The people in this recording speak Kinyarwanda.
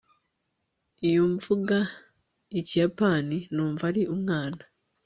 Iyo mvuga Ikiyapani numva ari umwana